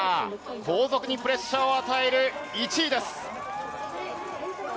後続にプレッシャーを与える１位です。